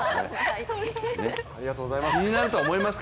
ありがとうございます。